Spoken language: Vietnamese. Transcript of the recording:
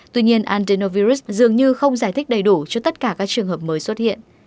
tuy nhiên andernovirus dường như không giải thích đầy đủ cho tất cả các trường hợp mới xuất hiện